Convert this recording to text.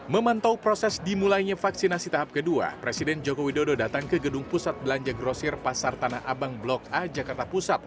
memantau proses dimulainya vaksinasi tahap kedua presiden joko widodo datang ke gedung pusat belanja grosir pasar tanah abang blok a jakarta pusat